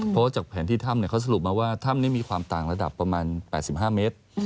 เพราะว่าจากแผนที่ถ้ำเขาสรุปมาว่าถ้ำนี้มีความต่างระดับประมาณ๘๕เมตร